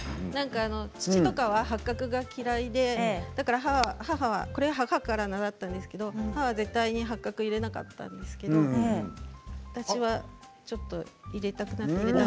父は八角が嫌いでこれは母から習ったんですけど母は絶対に八角を入れなかったんですけど私はちょっと入れたくなって入れました。